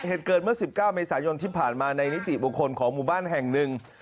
เหตุเกิดเมื่อ๑๙เมษายนที่ผ่านมาในนิติบุคคลของหมู่บ้านแห่งหนึ่ง